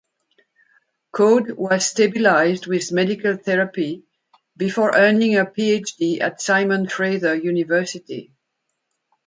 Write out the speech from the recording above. Code was stabilized with medical therapy before earning her PhD at Simon Fraser University.